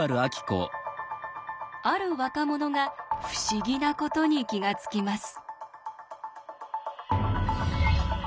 ある若者が不思議なことに気が付きます。